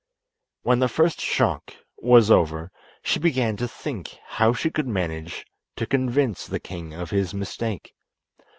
When the first shock was over she began to think how she could manage to convince the king of his mistake.